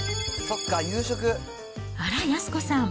あら、安子さん。